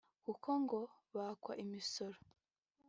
kuko ngo bakwa imisoro